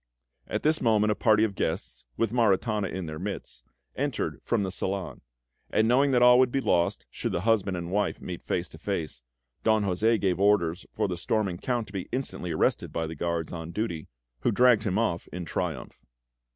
At this moment a party of guests, with Maritana in their midst, entered from the salon; and knowing that all would be lost should the husband and wife meet face to face, Don José gave orders for the storming Count to be instantly arrested by the guards on duty, who dragged him off in triumph.